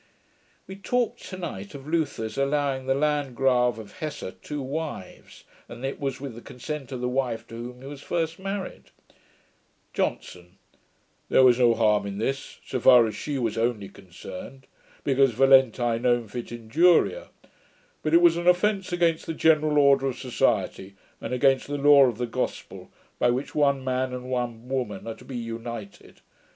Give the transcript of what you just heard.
We talked to night of Luther's allowing the Landgrave of Hesse two wives, and that it was with the consent of the wife to whom he was first married. JOHNSON. 'There was no harm in this, so far as she was only concerned, because volenti non fit injuria. But it was an offence against the general order of society, and against the law of the Gospel, by which one man and one woman are to be united.